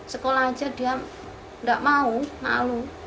sekolah saja dia tidak mau malu